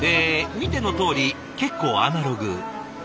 見てのとおり結構アナログ。